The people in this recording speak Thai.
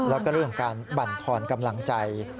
แล้วก็เรื่องของการบรรทอนกำลังใจ